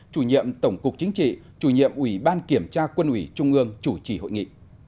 chủ nhiệm tổng cục chính trị chủ nhiệm ủy ban kiểm tra quân ủy trung ương chủ trì hội nghị